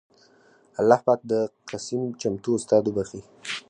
اللهٔ پاک د قسيم چمتو استاد وبښي